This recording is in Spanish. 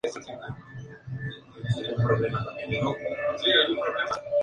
Este sitio es descrito como una estructura ‘piramidal trigonal distorsionada’.